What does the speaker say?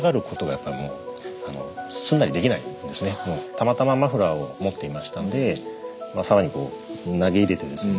たまたまマフラーを持っていましたんで沢に投げ入れてですね